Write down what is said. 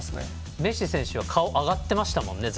メッシ選手は顔が上がってましたからね。